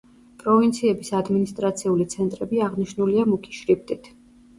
პროვინციების ადმინისტრაციული ცენტრები აღნიშნულია მუქი შრიფტით.